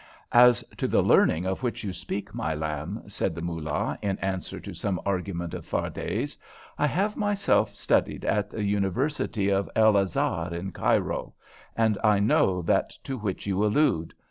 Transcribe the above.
"As to the learning of which you speak, my lamb," said the Moolah, in answer to some argument of Fardet's, "I have myself studied at the University of El Azhar at Cairo, and I know that to which you allude.